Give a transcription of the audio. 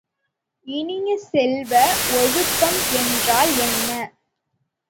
இனிய செல்வ, ஒழுக்கம் என்றால் என்ன?